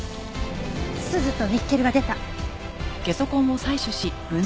スズとニッケルが出た。